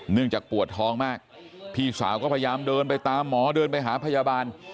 เนื่องจากปวดท้องมากพี่สาก็พยิ้มเคยเดินไปตามหมอเดินไปหาพยาบาล